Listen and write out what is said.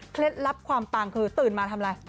ลับความปังคือตื่นมาทำอะไร